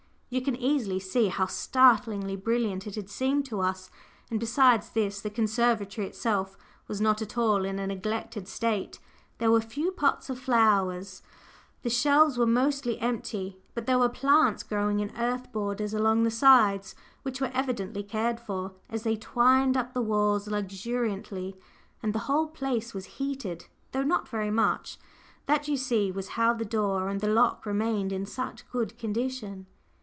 You can easily see how startlingly brilliant it had seemed to us; and besides this, the conservatory itself was not at all in a neglected state. There were few pots of flowers; the shelves were mostly empty; but there were plants growing in earth borders along the sides, which were evidently cared for, as they twined up the walls luxuriantly. And the whole place was heated, though not very much. That, you see, was how the door and the lock remained in such good condition.